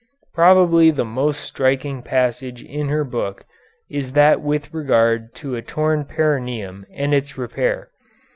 Probably the most striking passage in her book is that with regard to a torn perineum and its repair.